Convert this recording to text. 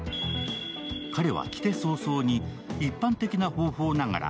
彼は来て早々に一般的な方法ながら